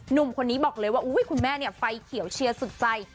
หนุ่มคนนี้บอกเลยว่าคุณแม่เนี่ยไฟเขียวเชียร์สุดใจ